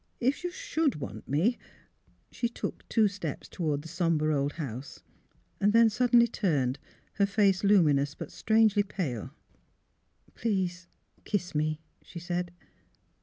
If you should want me " She took two steps toward the sombre old house; then suddenly turned, her face luminous but strangely pale. " Please kiss me," she said.